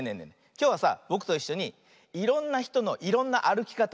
きょうはさぼくといっしょにいろんなひとのいろんなあるきかたをやってみよう。